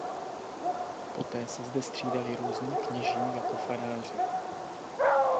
Poté se zde střídali různí kněží jako faráři.